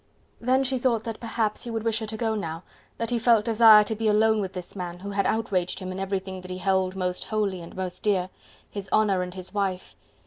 Then she thought that perhaps he would wish her to go now, that he felt desire to be alone with this man, who had outraged him in everything that he held most holy and most dear, his honour and his wife...